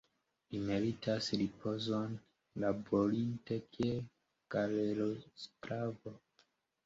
Li meritas ripozon, laborinte kiel galerosklavo.